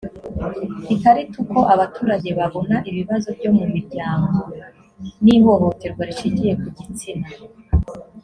ikarita uko abaturage babona ibibazo byo mu miryango n ihohoterwa rishingiye ku gitsina